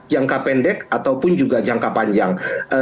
jangka pendek ataupun juga jangka panjang